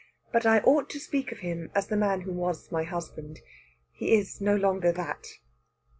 But I ought to speak of him as the man who was my husband. He is no longer that."